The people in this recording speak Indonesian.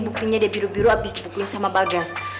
buktinya dia biru biru abis dipukulin sama bagas